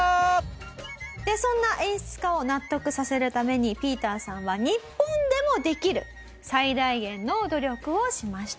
そんな演出家を納得させるためにＰＩＥＴＥＲさんは日本でもできる最大限の努力をしました。